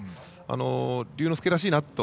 龍之介らしいなと。